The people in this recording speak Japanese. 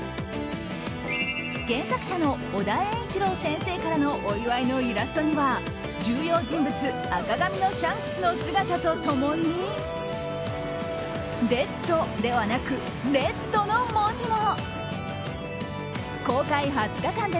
原作者の尾田栄一郎先生からのお祝いのイラストには重要人物赤髪のシャンクスの姿と共に「ＤＥＡＤ」ではなく「ＲＥＤ」の文字も。